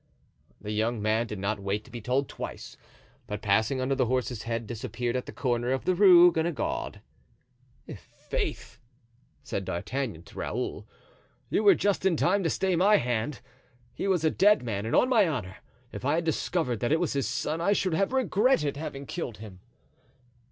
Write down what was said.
The young man did not wait to be told twice, but passing under the horse's head disappeared at the corner of the Rue Guenegaud. "I'faith!" said D'Artagnan to Raoul, "you were just in time to stay my hand. He was a dead man; and on my honor, if I had discovered that it was his son, I should have regretted having killed him."